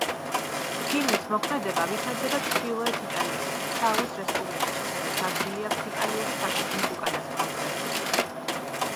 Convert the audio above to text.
ფილმის მოქმედება ვითარდება ჩრდილოეთ იტალიაში, სალოს რესპუბლიკაში, სადაც ადგილი აქვს იტალიური ფაშიზმის უკანასკნელ დღეებს.